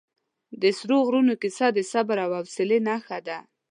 د سرو غرونو کیسه د صبر او حوصلې نښه ده.